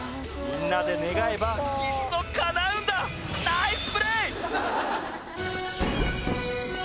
みんなで願えばきっとかなうんだナイスプレー！